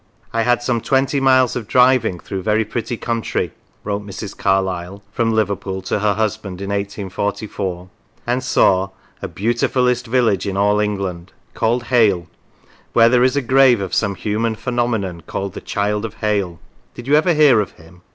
" I had some twenty miles of driving through very pretty country," wrote Mrs. Carlyle from Liverpool to her husband in 1844, " and saw a c beau tifullest village in all England ' called Hale, where there is a grave of some human phenomenon called the Child of Hale; did you ever hear of him